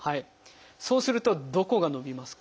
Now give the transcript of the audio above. そうするとどこが伸びますか？